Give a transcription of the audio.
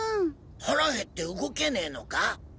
腹へって動けねえのか？